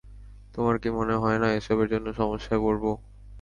তোমার কি মনে হয় না এসবের জন্য সমস্যায় পড়ব?